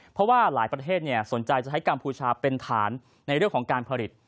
เพราะว่าหลายประเทศสนใจจะใช้กัมพูชาเป็นฐานในเรื่องของการผลิต